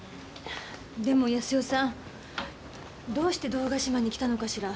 でも康代さんどうして堂ヶ島に来たのかしら？